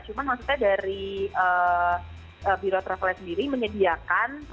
cuma maksudnya dari biro travelnya sendiri menyediakan